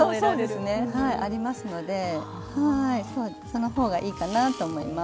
そうそうですね。ありますのでその方がいいかなと思います。